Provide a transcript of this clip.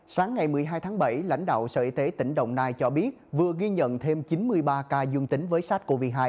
sáng ngày một mươi hai tháng bảy lãnh đạo sở y tế tỉnh đồng nai cho biết vừa ghi nhận thêm chín mươi ba ca dương tính với sars cov hai